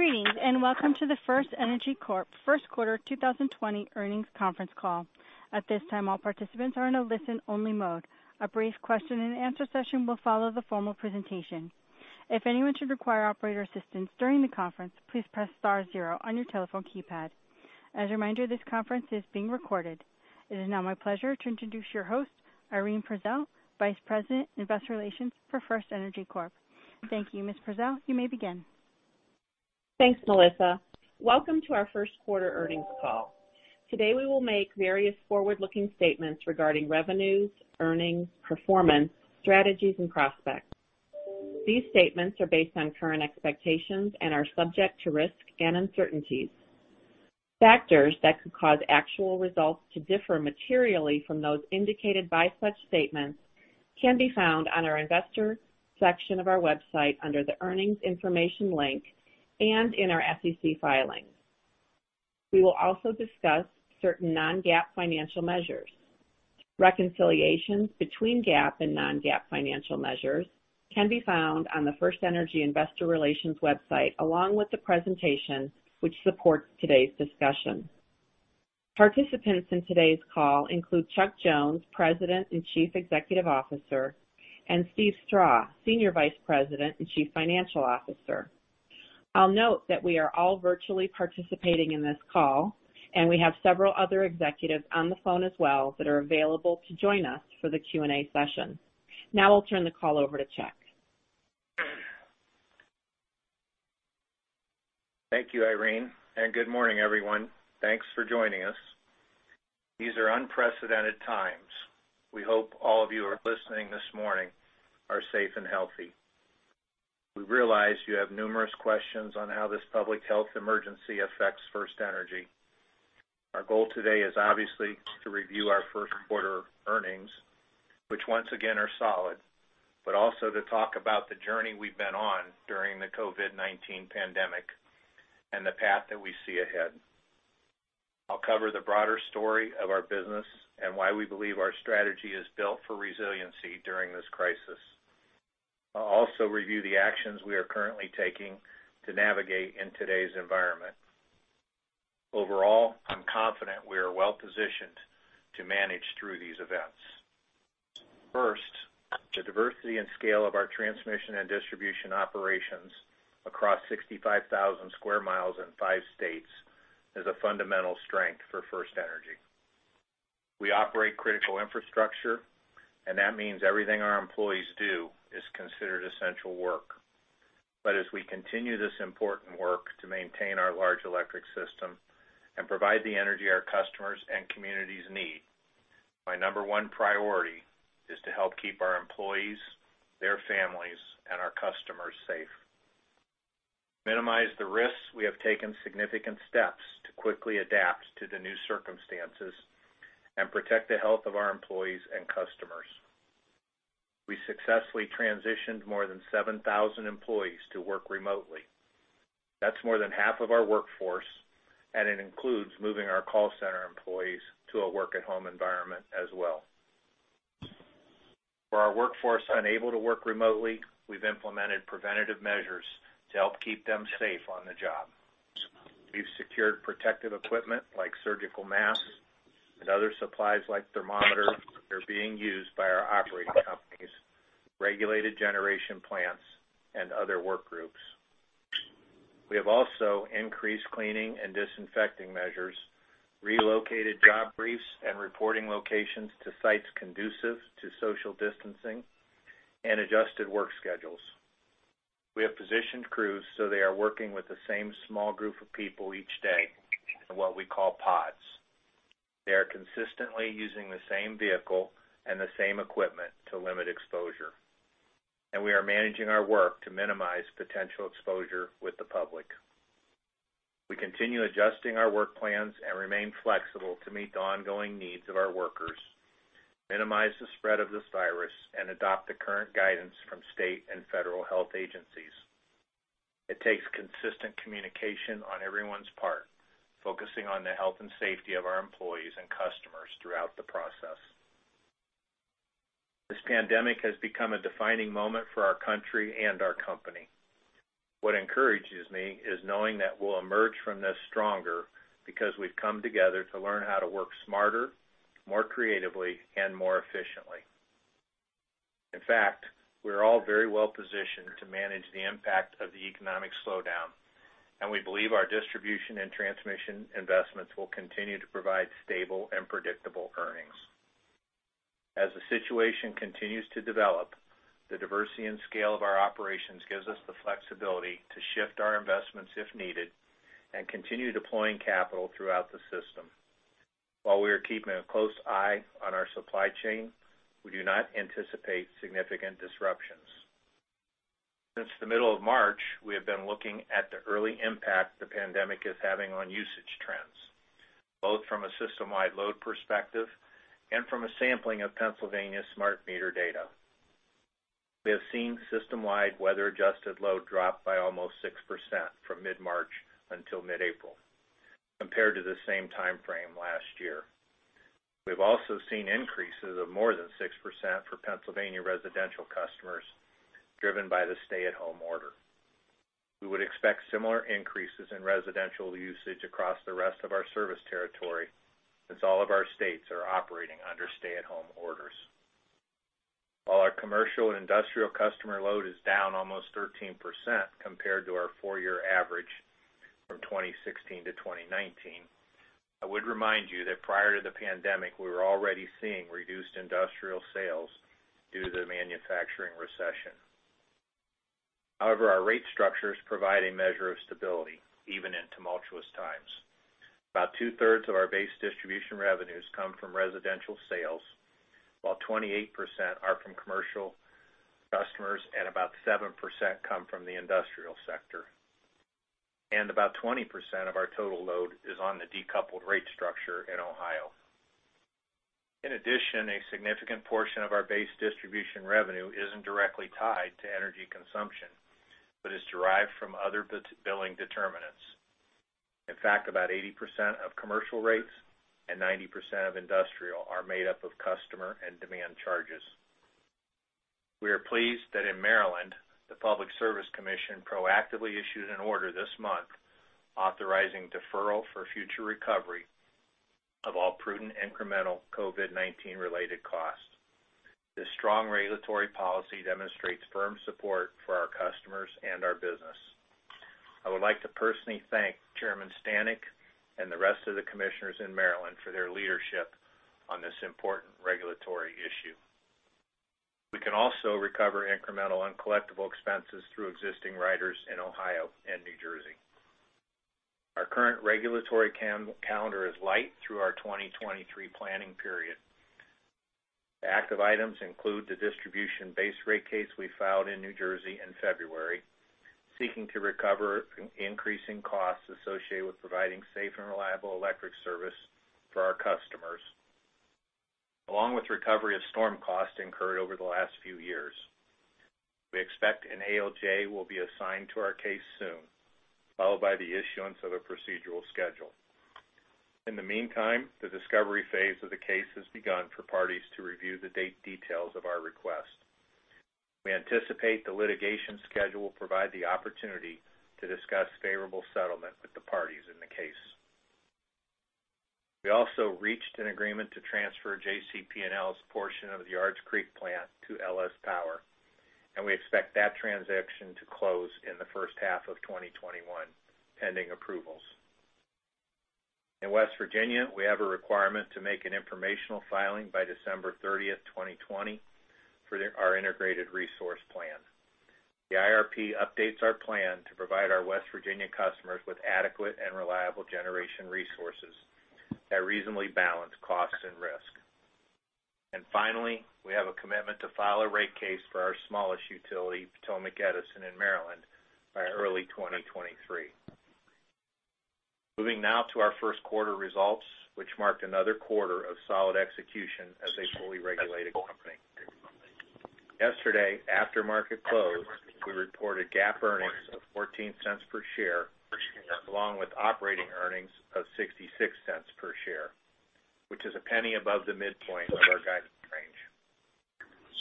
Greetings, and welcome to the FirstEnergy Corp First Quarter 2020 Earnings Conference Call. At this time, all participants are in a listen-only mode. A brief question and answer session will follow the formal presentation. If anyone should require operator assistance during the conference, please press star 0 on your telephone keypad. As a reminder, this conference is being recorded. It is now my pleasure to introduce your host, Irene Prezelj, Vice President, Investor Relations for FirstEnergy Corp. Thank you, Ms. Prezelj. You may begin. Thanks, Melissa. Welcome to our first quarter earnings call. Today, we will make various forward-looking statements regarding revenues, earnings, performance, strategies, and prospects. These statements are based on current expectations and are subject to risk and uncertainties. Factors that could cause actual results to differ materially from those indicated by such statements can be found on our investor section of our website under the earnings information link and in our SEC filings. We will also discuss certain non-GAAP financial measures. Reconciliations between GAAP and non-GAAP financial measures can be found on the FirstEnergy investor relations website, along with the presentation which supports today's discussion. Participants in today's call include Chuck Jones, President and Chief Executive Officer, and Steve Strah, Senior Vice President and Chief Financial Officer. I'll note that we are all virtually participating in this call, and we have several other executives on the phone as well that are available to join us for the Q&A session. Now I'll turn the call over to Chuck. Thank you, Irene. Good morning, everyone. Thanks for joining us. These are unprecedented times. We hope all of you who are listening this morning are safe and healthy. We realize you have numerous questions on how this public health emergency affects FirstEnergy. Our goal today is obviously to review our first quarter earnings, which once again are solid, also to talk about the journey we've been on during the COVID-19 pandemic and the path that we see ahead. I'll cover the broader story of our business and why we believe our strategy is built for resiliency during this crisis. I'll also review the actions we are currently taking to navigate in today's environment. Overall, I'm confident we are well-positioned to manage through these events. First, the diversity and scale of our transmission and distribution operations across 65,000 square miles in five states is a fundamental strength for FirstEnergy. We operate critical infrastructure, that means everything our employees do is considered essential work. As we continue this important work to maintain our large electric system and provide the energy our customers and communities need, my number one priority is to help keep our employees, their families, and our customers safe. To minimize the risks, we have taken significant steps to quickly adapt to the new circumstances and protect the health of our employees and customers. We successfully transitioned more than 7,000 employees to work remotely. That's more than half of our workforce, it includes moving our call center employees to a work-at-home environment as well. For our workforce unable to work remotely, we've implemented preventative measures to help keep them safe on the job. We've secured protective equipment like surgical masks and other supplies like thermometers that are being used by our operating companies, regulated generation plants, and other work groups. We have also increased cleaning and disinfecting measures, relocated job briefs and reporting locations to sites conducive to social distancing, and adjusted work schedules. We have positioned crews so they are working with the same small group of people each day in what we call pods. They are consistently using the same vehicle and the same equipment to limit exposure. We are managing our work to minimize potential exposure with the public. We continue adjusting our work plans and remain flexible to meet the ongoing needs of our workers, minimize the spread of this virus, and adopt the current guidance from state and federal health agencies. It takes consistent communication on everyone's part, focusing on the health and safety of our employees and customers throughout the process. This pandemic has become a defining moment for our country and our company. What encourages me is knowing that we'll emerge from this stronger because we've come together to learn how to work smarter, more creatively, and more efficiently. In fact, we're all very well-positioned to manage the impact of the economic slowdown, and we believe our distribution and transmission investments will continue to provide stable and predictable earnings. As the situation continues to develop, the diversity and scale of our operations gives us the flexibility to shift our investments if needed and continue deploying capital throughout the system. While we are keeping a close eye on our supply chain, we do not anticipate significant disruptions. Since the middle of March, we have been looking at the early impact the pandemic is having on usage trends, both from a system-wide load perspective and from a sampling of Pennsylvania smart meter data. We have seen system-wide weather-adjusted load drop by almost 6% from mid-March until mid-April. Compared to the same timeframe last year. We've also seen increases of more than 6% for Pennsylvania residential customers, driven by the stay-at-home order. We would expect similar increases in residential usage across the rest of our service territory, as all of our states are operating under stay-at-home orders. While our commercial and industrial customer load is down almost 13% compared to our four-year average from 2016-2019, I would remind you that prior to the pandemic, we were already seeing reduced industrial sales due to the manufacturing recession. However, our rate structures provide a measure of stability, even in tumultuous times. About 2/3 of our base distribution revenues come from residential sales, while 28% are from commercial customers, and about 7% come from the industrial sector. About 20% of our total load is on the decoupled rate structure in Ohio. In addition, a significant portion of our base distribution revenue isn't directly tied to energy consumption, but is derived from other billing determinants. In fact, about 80% of commercial rates and 90% of industrial are made up of customer and demand charges. We are pleased that in Maryland, the Public Service Commission proactively issued an order this month authorizing deferral for future recovery of all prudent, incremental COVID-19-related costs. This strong regulatory policy demonstrates firm support for our customers and our business. I would like to personally thank Chairman Stanek and the rest of the commissioners in Maryland for their leadership on this important regulatory issue. We can also recover incremental uncollectible expenses through existing riders in Ohio and New Jersey. Our current regulatory calendar is light through our 2023 planning period. The active items include the distribution-based rate case we filed in New Jersey in February, seeking to recover increasing costs associated with providing safe and reliable electric service for our customers, along with recovery of storm costs incurred over the last few years. We expect an ALJ will be assigned to our case soon, followed by the issuance of a procedural schedule. In the meantime, the discovery phase of the case has begun for parties to review the details of our request. We anticipate the litigation schedule will provide the opportunity to discuss favorable settlement with the parties in the case. We also reached an agreement to transfer JCP&L's portion of the Yards Creek plant to LS Power, and we expect that transaction to close in the first half of 2021, pending approvals. In West Virginia, we have a requirement to make an informational filing by December 30th, 2020, for our integrated resource plan. The IRP updates our plan to provide our West Virginia customers with adequate and reliable generation resources that reasonably balance cost and risk. Finally, we have a commitment to file a rate case for our smallest utility, Potomac Edison in Maryland, by early 2023. Moving now to our first quarter results, which marked another quarter of solid execution as a fully regulated company. Yesterday, after market close, we reported GAAP earnings of $0.14 per share, along with operating earnings of $0.66 per share, which is $0.01 above the midpoint of our guidance range.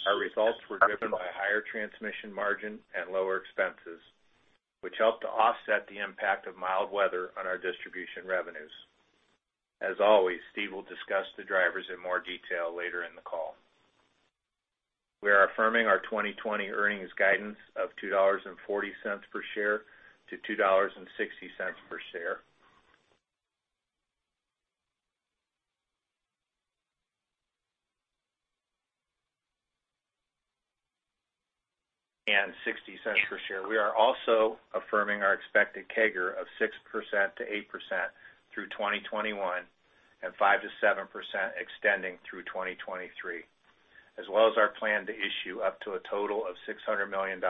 Our results were driven by higher transmission margin and lower expenses, which helped to offset the impact of mild weather on our distribution revenues. As always, Steve will discuss the drivers in more detail later in the call. We are affirming our 2020 earnings guidance of $2.40 per share to $2.60 per share. We are also affirming our expected CAGR of 6%-8% through 2021, and 5%-7% extending through 2023, as well as our plan to issue up to a total of $600 million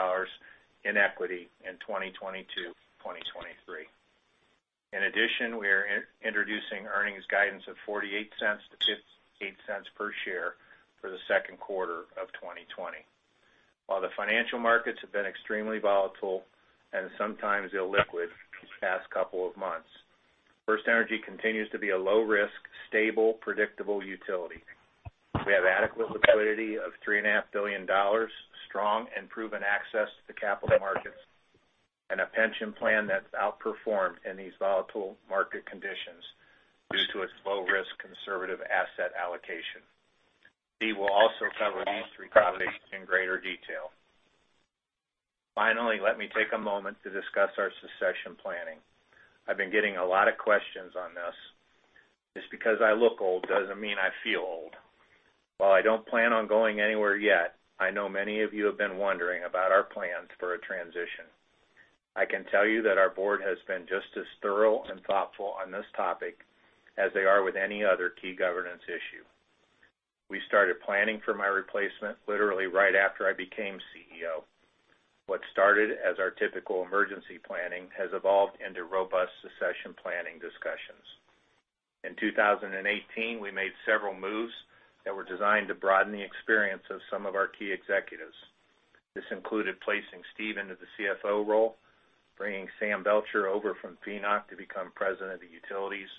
in equity in 2022, 2023. We are introducing earnings guidance of $0.48-$0.58 per share for the second quarter of 2020. While the financial markets have been extremely volatile and sometimes illiquid these past couple of months, FirstEnergy continues to be a low-risk, stable, predictable utility. We have adequate liquidity of $3.5 billion, strong and proven access to capital markets, and a pension plan that's outperformed in these volatile market conditions due to its low-risk, conservative asset allocation. Steve will also cover these three topics in greater detail. Finally, let me take a moment to discuss our succession planning. I've been getting a lot of questions on this. Just because I look old doesn't mean I feel old. While I don't plan on going anywhere yet, I know many of you have been wondering about our plans for a transition. I can tell you that our board has been just as thorough and thoughtful on this topic as they are with any other key governance issue. We started planning for my replacement literally right after I became CEO. What started as our typical emergency planning has evolved into robust succession planning discussions. In 2018, we made several moves that were designed to broaden the experience of some of our key executives. This included placing Steve into the CFO role, bringing Sam Belcher over from FENOC to become President of Utilities,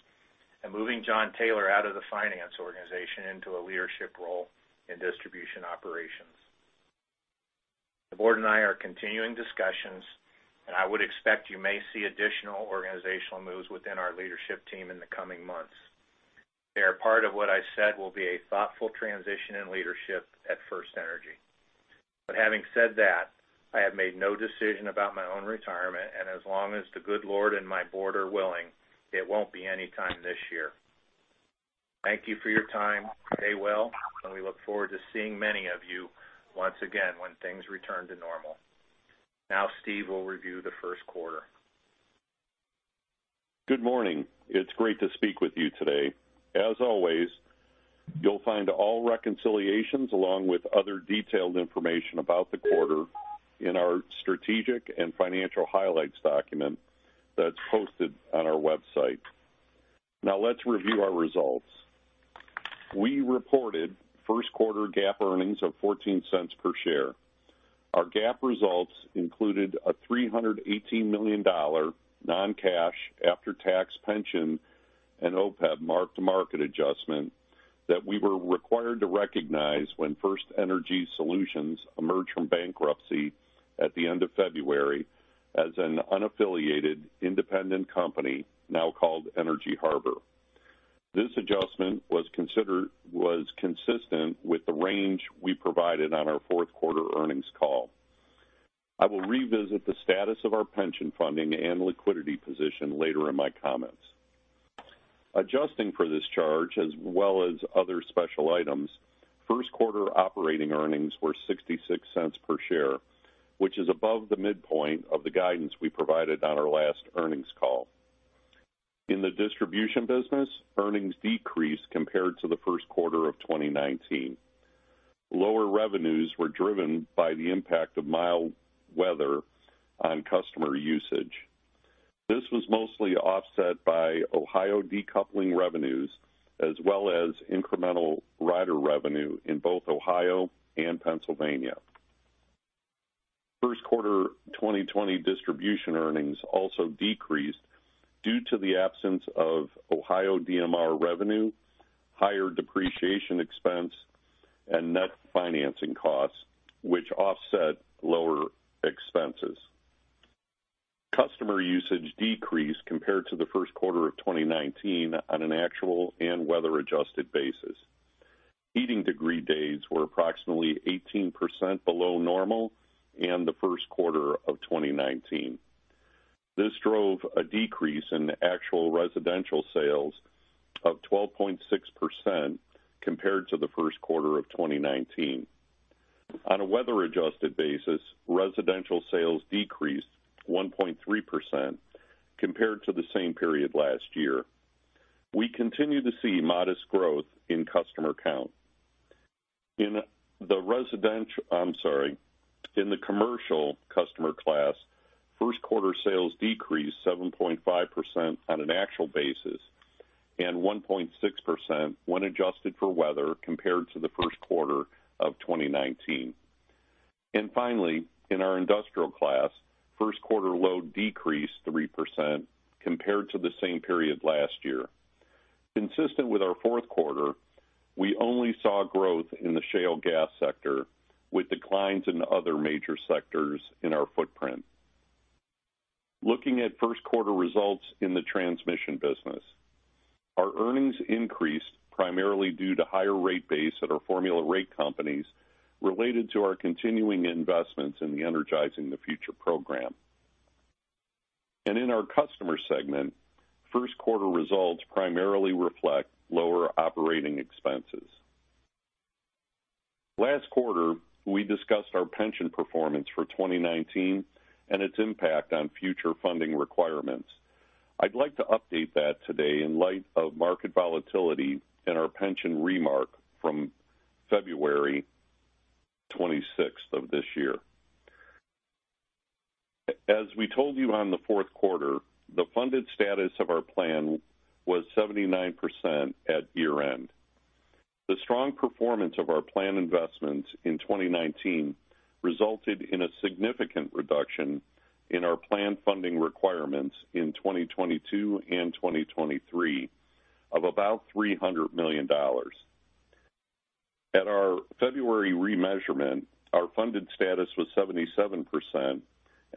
and moving Jon Taylor out of the finance organization into a leadership role in distribution operations. The board and I are continuing discussions, and I would expect you may see additional organizational moves within our leadership team in the coming months. They are part of what I said will be a thoughtful transition in leadership at FirstEnergy. Having said that, I have made no decision about my own retirement, and as long as the good Lord and my board are willing, it won't be any time this year. Thank you for your time. Stay well, and we look forward to seeing many of you once again when things return to normal. Now, Steve will review the first quarter. Good morning. It's great to speak with you today. As always, you'll find all reconciliations along with other detailed information about the quarter in our strategic and financial highlights document that's posted on our website. Now let's review our results. We reported first quarter GAAP earnings of $0.14 per share. Our GAAP results included a $318 million non-cash after-tax pension and OPEB mark-to-market adjustment that we were required to recognize when FirstEnergy Solutions emerged from bankruptcy at the end of February as an unaffiliated, independent company now called Energy Harbor. This adjustment was consistent with the range we provided on our fourth quarter earnings call. I will revisit the status of our pension funding and liquidity position later in my comments. Adjusting for this charge, as well as other special items, first quarter operating earnings were $0.66 per share, which is above the midpoint of the guidance we provided on our last earnings call. In the distribution business, earnings decreased compared to the first quarter of 2019. Lower revenues were driven by the impact of mild weather on customer usage. This was mostly offset by Ohio decoupling revenues, as well as incremental rider revenue in both Ohio and Pennsylvania. First quarter 2020 distribution earnings also decreased due to the absence of Ohio DMR revenue, higher depreciation expense, and net financing costs, which offset lower expenses. Customer usage decreased compared to the first quarter of 2019 on an actual and weather-adjusted basis. Heating degree days were approximately 18% below normal in the first quarter of 2019. This drove a decrease in actual residential sales of 12.6% compared to the first quarter of 2019. On a weather-adjusted basis, residential sales decreased 1.3% compared to the same period last year. We continue to see modest growth in customer count. In the commercial customer class, first quarter sales decreased 7.5% on an actual basis and 1.6% when adjusted for weather compared to the first quarter of 2019. Finally, in our industrial class, first quarter load decreased 3% compared to the same period last year. Consistent with our fourth quarter, we only saw growth in the shale gas sector, with declines in other major sectors in our footprint. Looking at first quarter results in the transmission business. Our earnings increased primarily due to higher rate base at our formula rate companies related to our continuing investments in the Energizing the Future program. In our customer segment, first quarter results primarily reflect lower operating expenses. Last quarter, we discussed our pension performance for 2019 and its impact on future funding requirements. I'd like to update that today in light of market volatility and our pension remark from February 26th of this year. As we told you on the fourth quarter, the funded status of our plan was 79% at year-end. The strong performance of our plan investments in 2019 resulted in a significant reduction in our plan funding requirements in 2022 and 2023 of about $300 million. At our February remeasurement, our funded status was 77%, and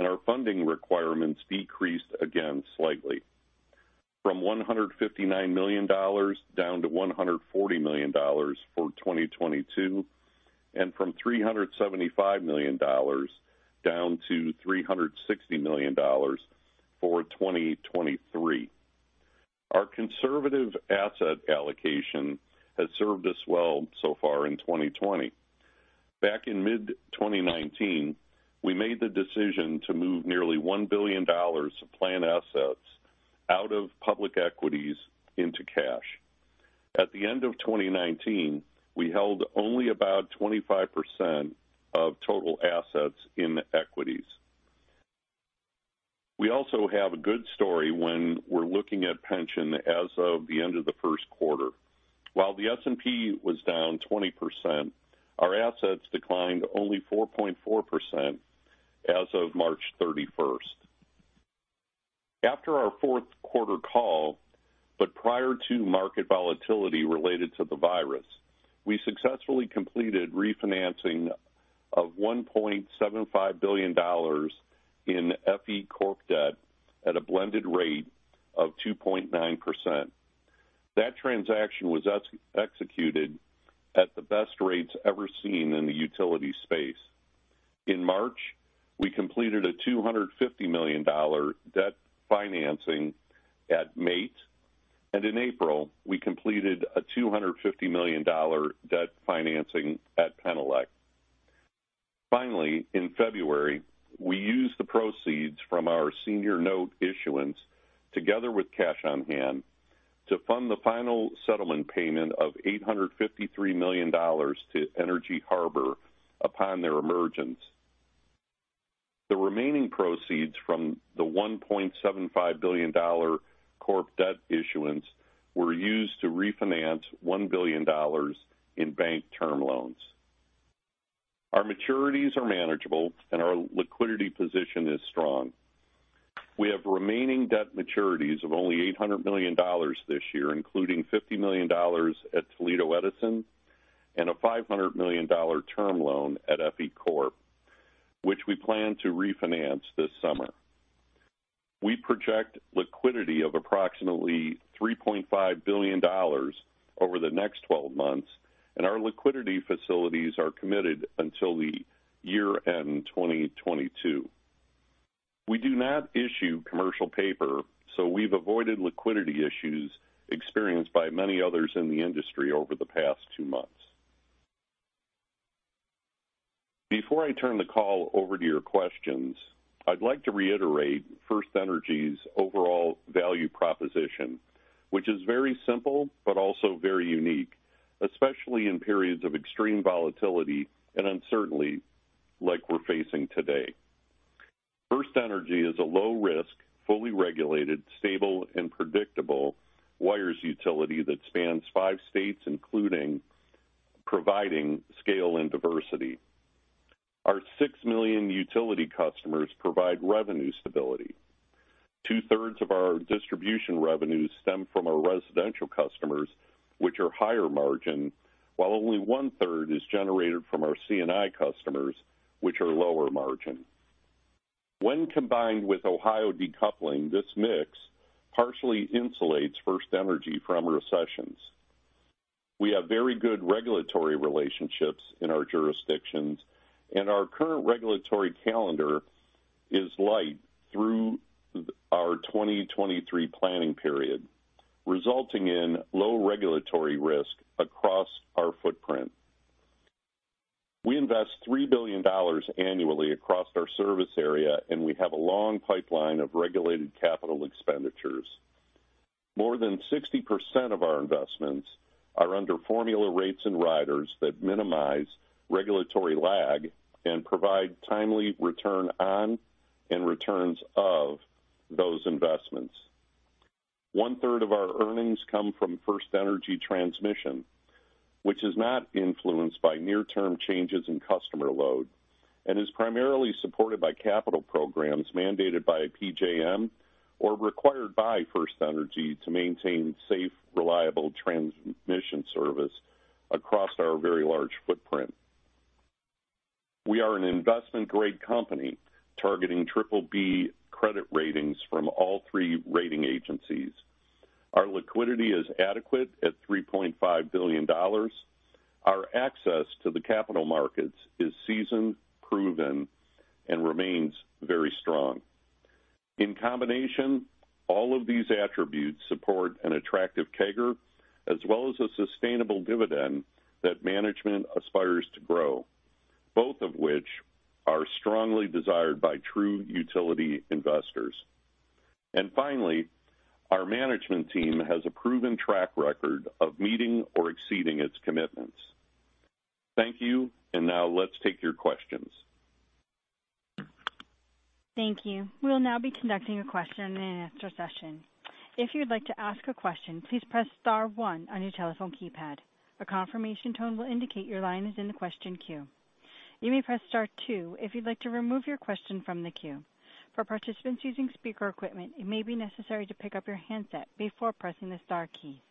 our funding requirements decreased again slightly, from $159 million down to $140 million for 2022, and from $375 million down to $360 million for 2023. Our conservative asset allocation has served us well so far in 2020. Back in mid-2019, we made the decision to move nearly $1 billion of plan assets out of public equities into cash. At the end of 2019, we held only about 25% of total assets in equities. We also have a good story when we're looking at pension as of the end of the first quarter. While the S&P was down 20%, our assets declined only 4.4% as of March 31st. After our fourth quarter call, but prior to market volatility related to the virus, we successfully completed refinancing of $1.75 billion in FE Corp debt at a blended rate of 2.9%. That transaction was executed at the best rates ever seen in the utility space. In March, we completed a $250 million debt financing at MAIT, and in April, we completed a $250 million debt financing at Penelec. Finally, in February, we used the proceeds from our senior note issuance together with cash on hand to fund the final settlement payment of $853 million to Energy Harbor upon their emergence. The remaining proceeds from the $1.75 billion corp debt issuance were used to refinance $1 billion in bank term loans. Our maturities are manageable, and our liquidity position is strong. We have remaining debt maturities of only $800 million this year, including $50 million at Toledo Edison and a $500 million term loan at FE Corp, which we plan to refinance this summer. We project liquidity of approximately $3.5 billion over the next 12 months, and our liquidity facilities are committed until the year-end 2022. We do not issue commercial paper, we've avoided liquidity issues experienced by many others in the industry over the past two months. Before I turn the call over to your questions, I'd like to reiterate FirstEnergy's overall value proposition, which is very simple but also very unique, especially in periods of extreme volatility and uncertainty like we're facing today. FirstEnergy is a low-risk, fully regulated, stable and predictable wires utility that spans five states, including providing scale and diversity. Our 6 million utility customers provide revenue stability. Two-thirds of our distribution revenues stem from our residential customers, which are higher margin, while only one-third is generated from our C&I customers, which are lower margin. When combined with Ohio decoupling, this mix partially insulates FirstEnergy from recessions. We have very good regulatory relationships in our jurisdictions, and our current regulatory calendar is light through our 2023 planning period, resulting in low regulatory risk across our footprint. We invest $3 billion annually across our service area, and we have a long pipeline of regulated capital expenditures. More than 60% of our investments are under formula rates and riders that minimize regulatory lag and provide timely return on and returns of those investments. A 1/3 of our earnings come from FirstEnergy Transmission, which is not influenced by near-term changes in customer load and is primarily supported by capital programs mandated by PJM or required by FirstEnergy to maintain safe, reliable transmission service across our very large footprint. We are an investment-grade company targeting BBB credit ratings from all three rating agencies. Our liquidity is adequate at $3.5 billion. Our access to the capital markets is seasoned, proven, and remains very strong. In combination, all of these attributes support an attractive CAGR as well as a sustainable dividend that management aspires to grow, both of which are strongly desired by true utility investors. Finally, our management team has a proven track record of meeting or exceeding its commitments. Thank you. Now let's take your questions. Thank you. We'll now be conducting a question and answer session. If you'd like to ask a question, please press star one on your telephone keypad. A confirmation tone will indicate your line is in the question queue. You may press star two if you'd like to remove your question from the queue. For participants using speaker equipment, it may be necessary to pick up your handset before pressing the star key.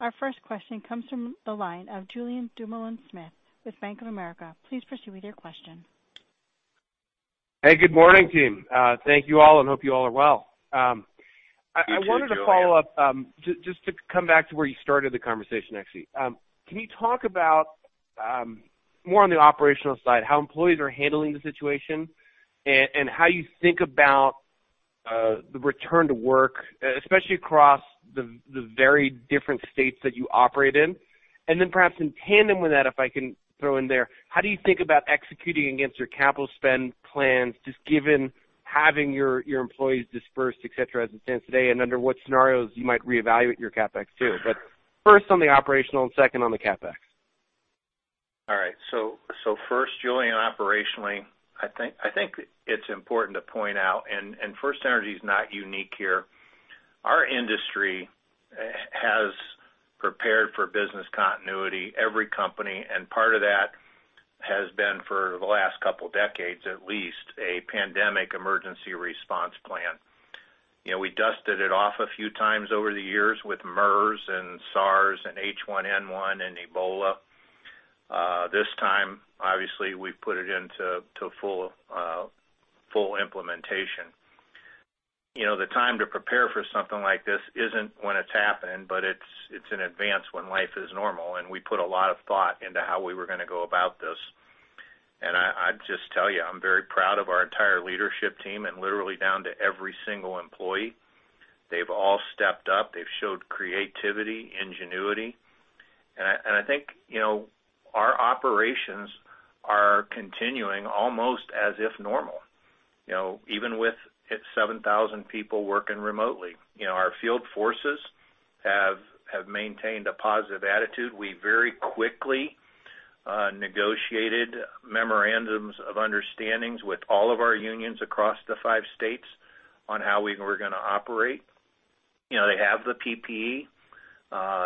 Our first question comes from the line of Julien Dumoulin-Smith with Bank of America. Please proceed with your question. Hey, good morning, team. Thank you all. Hope you all are well. You, too, Julien. I wanted to follow up, just to come back to where you started the conversation, actually. Can you talk about, more on the operational side, how employees are handling the situation and how you think about the return to work, especially across the very different states that you operated? Perhaps in tandem with that, if I can throw in there, how do you think about executing against your capital spend plans, just given having your employees dispersed, et cetera, as it stands today, and under what scenarios you might reevaluate your CapEx too? First on the operational and second on the CapEx. All right. First, Julien, operationally, I think it's important to point out, and FirstEnergy is not unique here. Our industry has prepared for business continuity, every company, and part of that has been for the last couple of decades, at least, a pandemic emergency response plan. We dusted it off a few times over the years with MERS and SARS and H1N1 and Ebola. This time, obviously, we put it into full implementation. You know, the time to prepare for something like this isn't when it's happening, but it's in advance when life is normal, and we put a lot of thought into how we were going to go about this. I'd just tell you, I'm very proud of our entire leadership team and literally down to every single employee. They've all stepped up. They've showed creativity, ingenuity. I think, you know, our operations are continuing almost as if normal, you know, even with 7,000 people working remotely. You know, our field forces have maintained a positive attitude. We very quickly negotiated memorandums of understandings with all of our unions across the five states on how we were going to operate. You know, they have the PPE.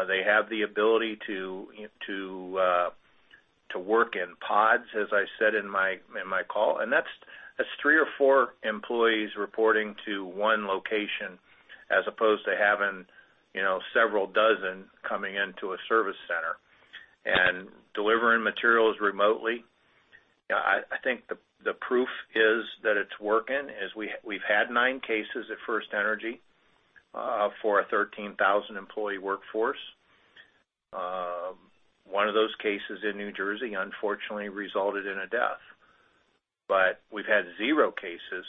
They have the ability to work in pods, as I said in my call. That's three or four employees reporting to one location as opposed to having, you know, several dozen coming into a service center. Delivering materials remotely, I think the proof is that it's working, as we've had nine cases at FirstEnergy for a 13,000-employee workforce. One of those cases in New Jersey, unfortunately, resulted in a death. But, we've had zero cases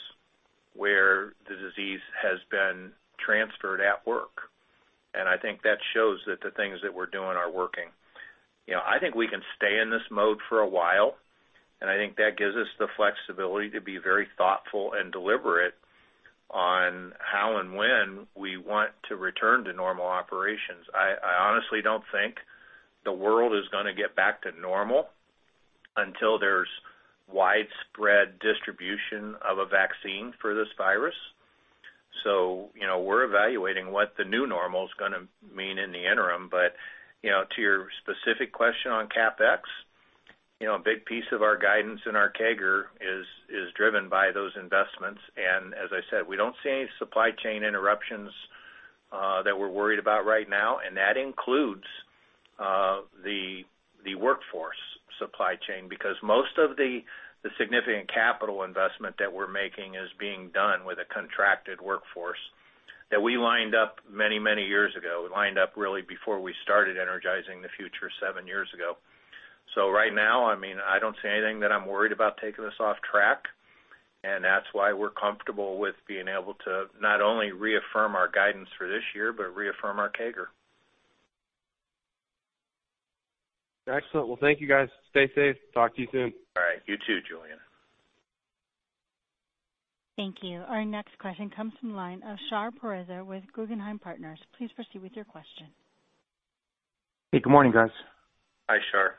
where the disease has been transferred at work. I think that shows that the things that we're doing are working. I think we can stay in this mode for a while, and I think that gives us the flexibility to be very thoughtful and deliberate on how and when we want to return to normal operations. I honestly don't think the world is going to get back to normal until there's widespread distribution of a vaccine for this virus. You know, we're evaluating what the new normal is going to mean in the interim. To your specific question on CapEx, you know, a big piece of our guidance and our CAGR is driven by those investments. As I said, we don't see any supply chain interruptions that we're worried about right now, and that includes the workforce supply chain because most of the significant capital investment that we're making is being done with a contracted workforce that we lined up many years ago. We lined up really before we started Energizing the Future seven years ago. Right now, I don't see anything that I'm worried about taking us off track, and that's why we're comfortable with being able to not only reaffirm our guidance for this year but reaffirm our CAGR. Excellent. Well, thank you, guys. Stay safe. Talk to you soon. All right. You too, Julien. Thank you. Our next question comes from the line of Shar Pourreza with Guggenheim Partners. Please proceed with your question. Hey, good morning, guys. Hi, Shar.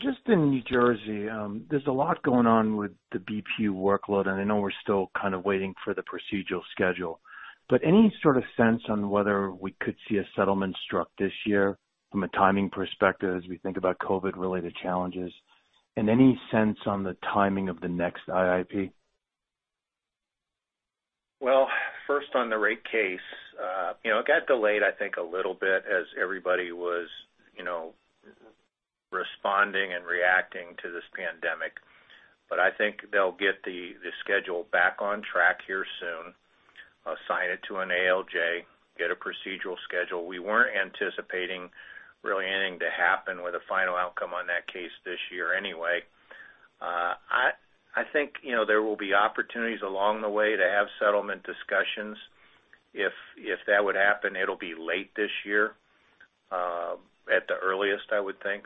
Just in New Jersey, there's a lot going on with the BPU workload, and I know we're still kind of waiting for the procedural schedule. But, any sort of sense on whether we could see a settlement struck this year from a timing perspective as we think about COVID-related challenges? Any sense on the timing of the next IIP? Well, first on the rate case. It got delayed, I think, a little bit as everybody was, you know, responding and reacting to this pandemic. I think they'll get the schedule back on track here soon, assign it to an ALJ, get a procedural schedule. We weren't anticipating really anything to happen with a final outcome on that case this year anyway. I think, you know, there will be opportunities along the way to have settlement discussions. If that would happen, it'll be late this year at the earliest, I would think.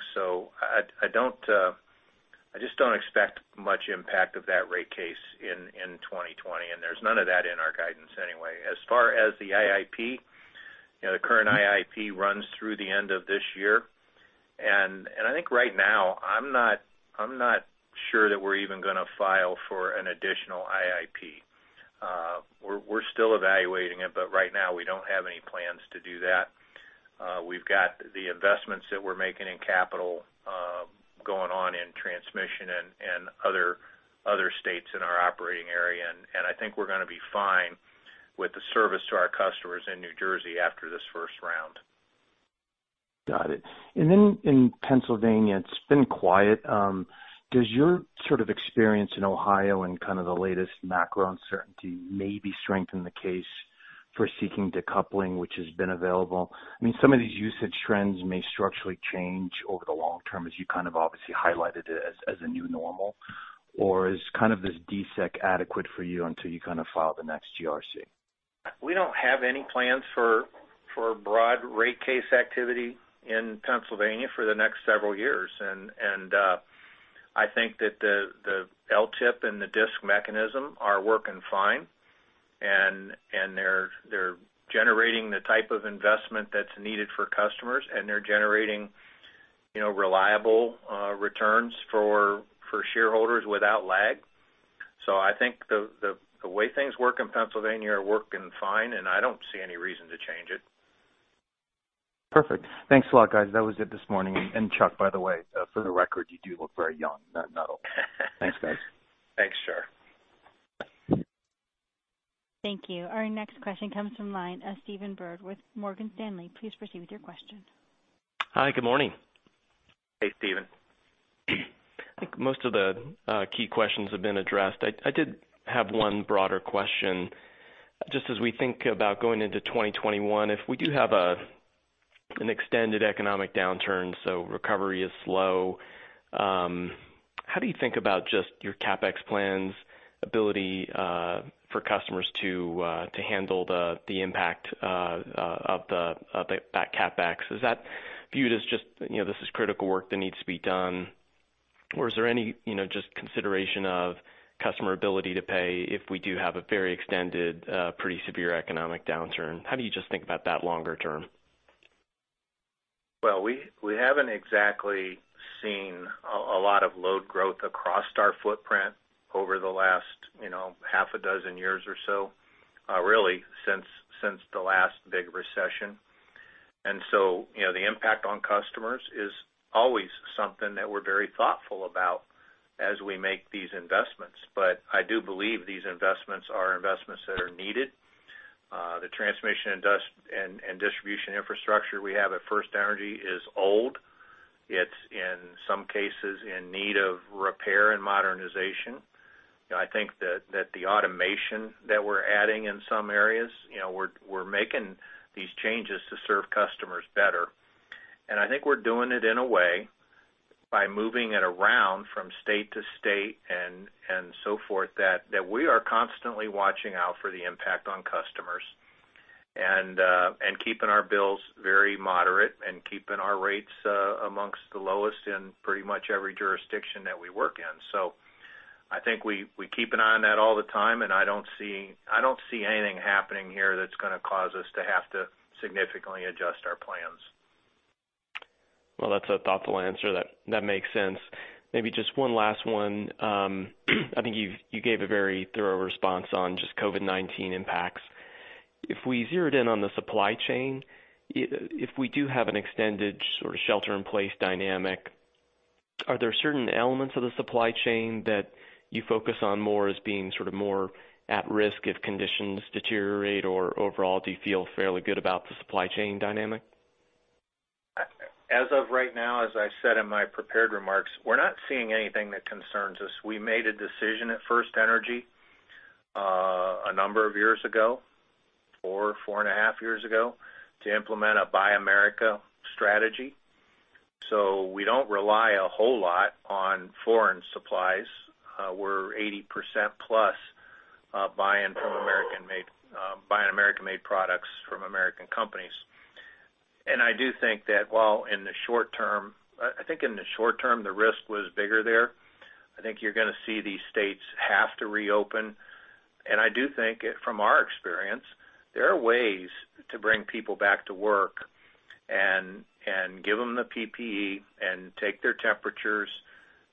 I just don't expect much impact of that rate case in 2020, and there's none of that in our guidance anyway. As far as the IIP, the current IIP runs through the end of this year. I think right now, I'm not sure that we're even going to file for an additional IIP. We're still evaluating it, but right now, we don't have any plans to do that. We've got the investments that we're making in capital going on in transmission and other states in our operating area, and I think we're going to be fine with the service to our customers in New Jersey after this first round. Got it. Then in Pennsylvania, it's been quiet. Does your sort of experience in Ohio and kind of the latest macro uncertainty maybe strengthen the case for seeking decoupling, which has been available? Some of these usage trends may structurally change over the long term, as you kind of obviously highlighted it as a new normal, or is kind of this DSIC adequate for you until you kind of file the next GRC? We don't have any plans for broad rate case activity in Pennsylvania for the next several years. I think that the LTIP and the DSIC mechanism are working fine, and they're generating the type of investment that's needed for customers, and they're generating reliable returns for shareholders without lag. I think the way things work in Pennsylvania are working fine, and I don't see any reason to change it. Perfect. Thanks a lot, guys. That was it this morning. Chuck, by the way, for the record, you do look very young. No, I'm not old. Thanks, guys. Thanks, Charles. Thank you. Our next question comes from line of Stephen Byrd with Morgan Stanley. Please proceed with your question. Hi, good morning. Hey, Stephen. I think most of the key questions have been addressed. I did have one broader question. Just as we think about going into 2021, if we do have an extended economic downturn, so recovery is slow, how do you think about just your CapEx plans, ability, for customers to handle the impact of that CapEx? Is that viewed as just this is critical work that needs to be done? Is there any, you know, just consideration of customer ability to pay if we do have a very extended, pretty severe economic downturn? How do you just think about that longer term? Well, we haven't exactly seen a lot of load growth across our footprint over the last, you know, half a dozen years or so, really since the last big recession. You know, the impact on customers is always something that we're very thoughtful about as we make these investments. I do believe these investments are investments that are needed. The transmission and distribution infrastructure we have at FirstEnergy is old. It's, in some cases, in need of repair and modernization. I think that the automation that we're adding in some areas, you know, we're making these changes to serve customers better. I think we're doing it in a way by moving it around from state to state and so forth, that we are constantly watching out for the impact on customers and keeping our bills very moderate and keeping our rates amongst the lowest in pretty much every jurisdiction that we work in. I think we keep an eye on that all the time, and I don't see anything happening here that's going to cause us to have to significantly adjust our plans. Well, that's a thoughtful answer. That makes sense. Maybe just one last one. I think you gave a very thorough response on just COVID-19 impacts. If we zeroed in on the supply chain, if we do have an extended sort of shelter-in-place dynamic, are there certain elements of the supply chain that you focus on more as being sort of more at risk if conditions deteriorate? Or overall, do you feel fairly good about the supply chain dynamic? As of right now, as I said in my prepared remarks, we're not seeing anything that concerns us. We made a decision at FirstEnergy a number of years ago, or four and a half years ago, to implement a Buy America strategy. We don't rely a whole lot on foreign supplies. We're 80%+ buying American-made products from American companies. I do think that while I think in the short term, the risk was bigger there. I think you're going to see these states have to reopen. I do think from our experience, there are ways to bring people back to work and give them the PPE and take their temperatures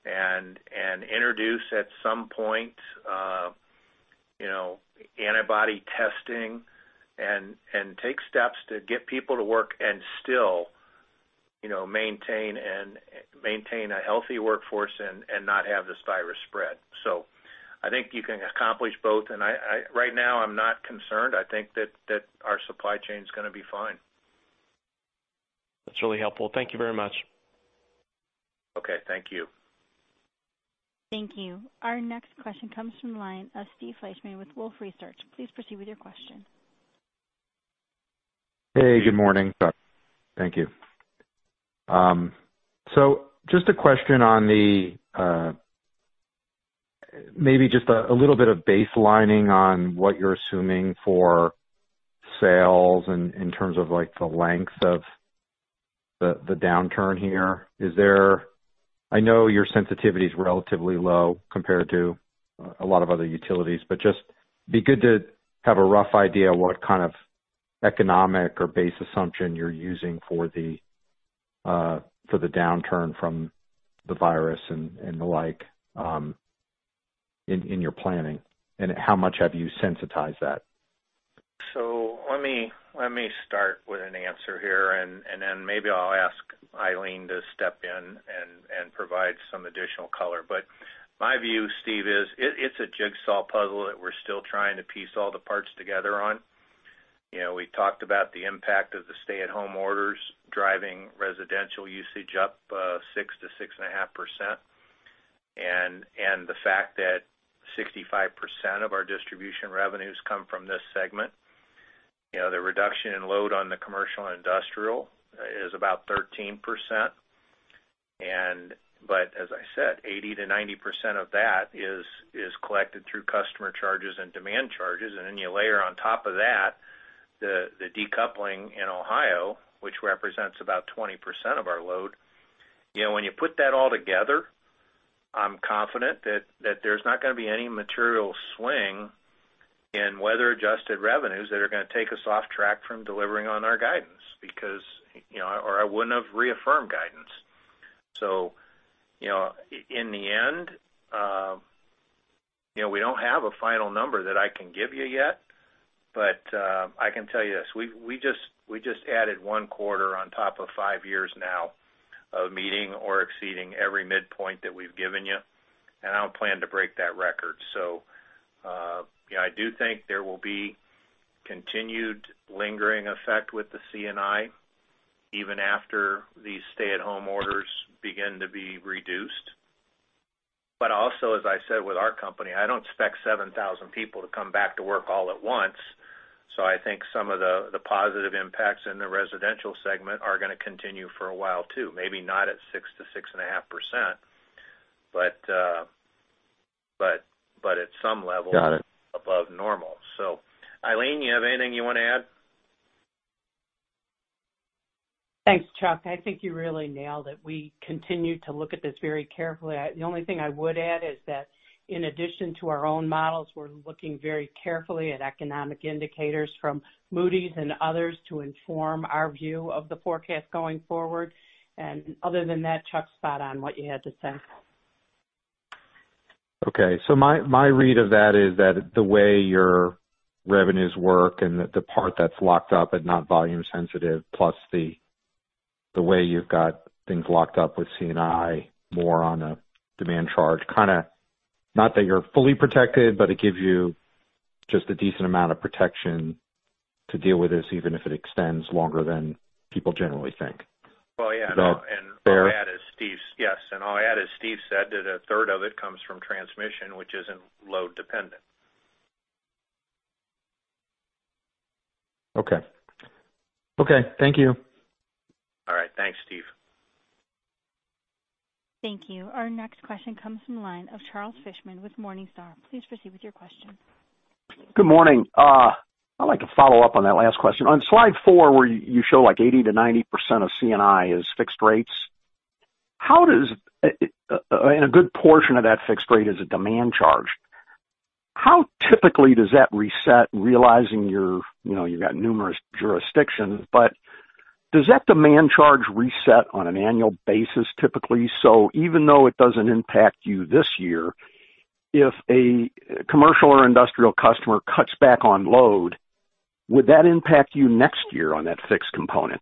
and introduce, at some point, you know, antibody testing and take steps to get people to work and still maintain a healthy workforce and not have this virus spread. I think you can accomplish both. Right now, I'm not concerned. I think that our supply chain's going to be fine. That's really helpful. Thank you very much. Okay. Thank you. Thank you. Our next question comes from line of Steve Fleishman with Wolfe Research. Please proceed with your question. Hey, good morning. Thank you. Just a question maybe just a little bit of baselining on what you're assuming for sales in terms of the length of the downturn here. I know your sensitivity's relatively low compared to a lot of other utilities, but just be good to have a rough idea what kind of economic or base assumption you're using for the downturn from the virus and the like in your planning, and how much have you sensitized that? Let me start with an answer here, and then maybe I'll ask Eileen to step in and provide some additional color. My view, Steve, is it's a jigsaw puzzle that we're still trying to piece all the parts together on. You know, we talked about the impact of the stay-at-home orders driving residential usage up 6%-6.5%, and the fact that 65% of our distribution revenues come from this segment. The reduction in load on the commercial and industrial is about 13%. But as I said, 80%-90% of that is collected through customer charges and demand charges. You layer on top of that the decoupling in Ohio, which represents about 20% of our load. When you put that all together, I'm confident that there's not going to be any material swing in weather-adjusted revenues that are going to take us off track from delivering on our guidance, or I wouldn't have reaffirmed guidance. In the end, we don't have a final number that I can give you yet, but I can tell you this. We just added one quarter on top of five years now of meeting or exceeding every midpoint that we've given you, and I don't plan to break that record. I do think there will be continued lingering effect with the C&I even after these stay-at-home orders begin to be reduced. But also, as I said, with our company, I don't expect 7,000 people to come back to work all at once. I think some of the positive impacts in the residential segment are going to continue for a while, too. Maybe not at 6%-6.5%, but at some level— Got it. above normal. Eileen, you have anything you want to add? Thanks, Chuck. I think you really nailed it. We continue to look at this very carefully. The only thing I would add is that in addition to our own models, we're looking very carefully at economic indicators from Moody's and others to inform our view of the forecast going forward. Other than that, Chuck's spot on what you had to say. My read of that is that the way your revenues work and the part that's locked up and not volume sensitive, plus the way you've got things locked up with C&I more on a demand charge, kind of, not that you're fully protected, but it gives you just a decent amount of protection to deal with this, even if it extends longer than people generally think. Well, yeah. Is that fair? Yes. I'll add, as Steve said, that a third of it comes from transmission, which isn't load dependent. Okay. Thank you. All right. Thanks, Steve. Thank you. Our next question comes from the line of Charles Fishman with Morningstar. Please proceed with your question. Good morning. I'd like to follow up on that last question. On slide four, where you show, like, 80%-90% of C&I is fixed rates. A good portion of that fixed rate is a demand charge. How typically does that reset, realizing you've got numerous jurisdictions, but does that demand charge reset on an annual basis, typically? Even though it doesn't impact you this year, you know, if a commercial or industrial customer cuts back on load, would that impact you next year on that fixed component?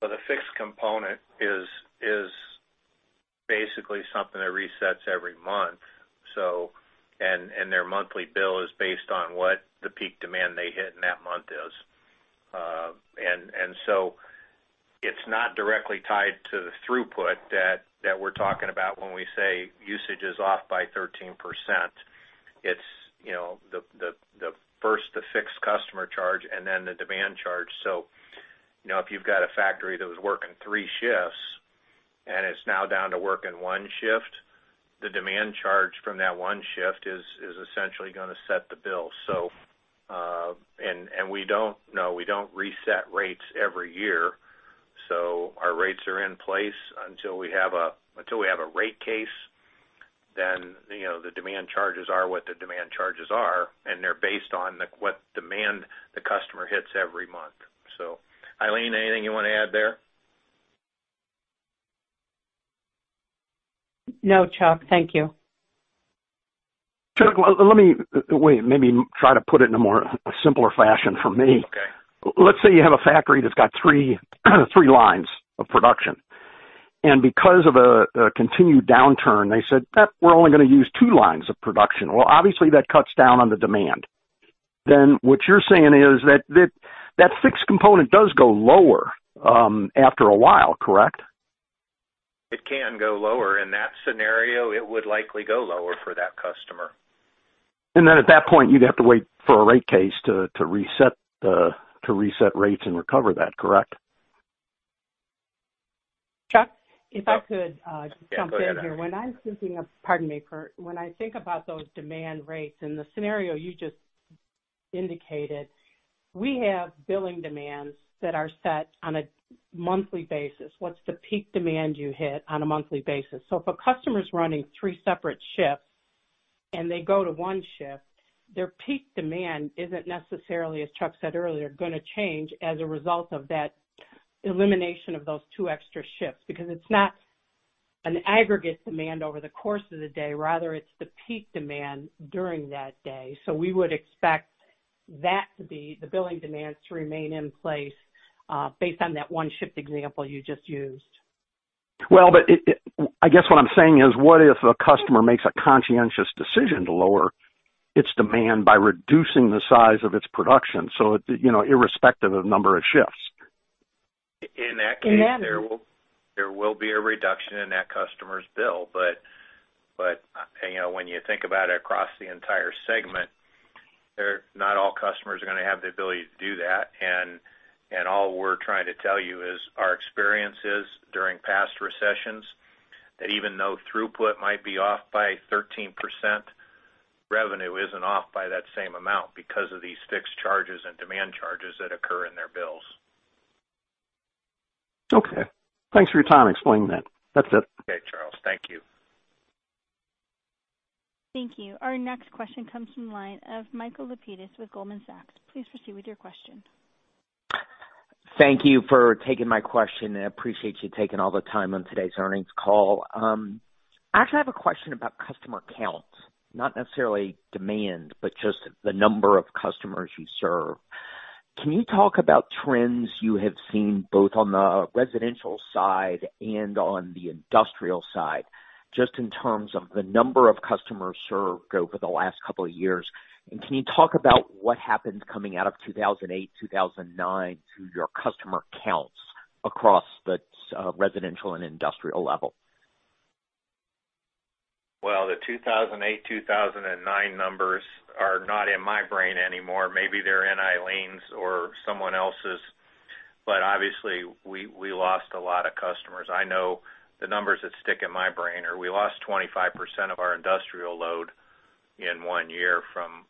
The fixed component is basically something that resets every month. Their monthly bill is based on what the peak demand they hit in that month is. It's not directly tied to the throughput that we're talking about when we say usage is off by 13%. You know, it's the first, the fixed customer charge and then the demand charge. If you've got a factory that was working three shifts and it's now down to working one shift, the demand charge from that one shift is essentially going to set the bill. No, we don't reset rates every year. Our rates are in place until we have a rate case, then, you know, the demand charges are what the demand charges are, and they're based on what demand the customer hits every month. Eileen, anything you want to add there? No, Chuck. Thank you. Chuck, let me wait, maybe try to put it in a more simpler fashion for me. Okay. Let's say you have a factory that's got three lines of production, and because of a continued downturn, they said: Eh, we're only going to use two lines of production. Well, obviously, that cuts down on the demand. What you're saying is that that fixed component does go lower after a while, correct? It can go lower. In that scenario, it would likely go lower for that customer. At that point, you'd have to wait for a rate case to reset rates and recover that, correct? Chuck, if I could— Yeah, go ahead, Eileen. just jump in here. Pardon me, Chuck. When I think about those demand rates in the scenario you just indicated, we have billing demands that are set on a monthly basis. What's the peak demand you hit on a monthly basis? If a customer's running three separate shifts and they go to one shift, their peak demand isn't necessarily, as Chuck said earlier, going to change as a result of that elimination of those two extra shifts, because it's not an aggregate demand over the course of the day. Rather, it's the peak demand during that day. We would expect that to be the billing demands to remain in place based on that one shift example you just used. Well, I guess what I'm saying is, what if a customer makes a conscientious decision to lower its demand by reducing the size of its production? Irrespective of number of shifts. In that case— Demand. There will be a reduction in that customer's bill. When you think about it across the entire segment, not all customers are going to have the ability to do that. All we're trying to tell you is our experiences during past recessions. Even though throughput might be off by 13%, revenue isn't off by that same amount because of these fixed charges and demand charges that occur in their bills. Okay. Thanks for your time explaining that. That's it. Okay, Charles. Thank you. Thank you. Our next question comes from the line of Michael Lapides with Goldman Sachs. Please proceed with your question. Thank you for taking my question, and I appreciate you taking all the time on today's earnings call. Actually, I have a question about customer counts, not necessarily demand, but just the number of customers you serve. Can you talk about trends you have seen both on the residential side and on the industrial side, just in terms of the number of customers served over the last couple of years? Can you talk about what happened coming out of 2008, 2009 to your customer counts across the residential and industrial level? The 2008, 2009 numbers are not in my brain anymore. Maybe they're in Eileen's or someone else's. But obviously, we lost a lot of customers. I know the numbers that stick in my brain are we lost 25% of our industrial load in one year from